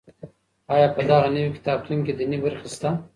آیا په دغه نوي کتابتون کې دیني برخې شته؟